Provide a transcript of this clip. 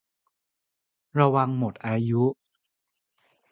ระวังหมดอายุ